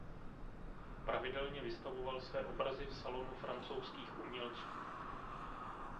Pravidelně vystavoval své obrazy v Salonu francouzských umělců.